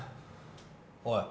おい。